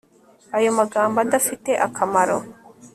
ayo magambo adafite akamaro